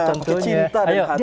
pakai cinta dari hati